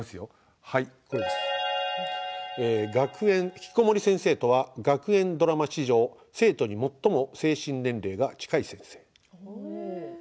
ひきこもり先生とは学園ドラマ史上生徒に最も精神年齢が近い先生。